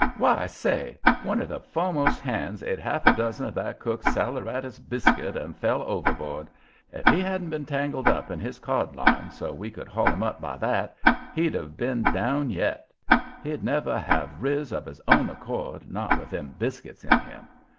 Why, say! one of the fo'mast hands ate half a dozen of that cook's saleratus biscuit and fell overboard. If he hadn't been tangled up in his cod line, so we could haul him up by that, he'd have been down yet. He'd never have riz of his own accord, not with them biscuits in him.